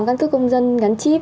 căn cứ công dân gắn chip